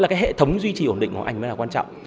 với hệ thống duy trì ổn định của anh mới là quan trọng